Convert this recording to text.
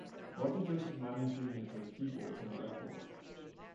Roger Joseph Manning Junior plays keyboards on the record.